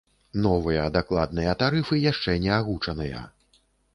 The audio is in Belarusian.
Новыя дакладныя тарыфы яшчэ не агучаныя.